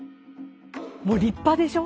もう立派でしょ？